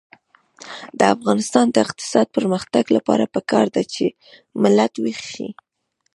د افغانستان د اقتصادي پرمختګ لپاره پکار ده چې ملت ویښ شي.